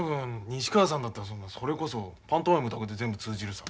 西川さんだったらそれこそパントマイムだけで全部通じるさ。